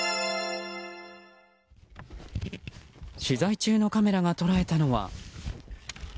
取材中のカメラが捉えたのは。